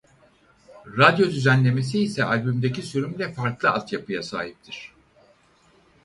Radyo düzenlemesi ise albümdeki sürümle farklı altyapıya sahiptir.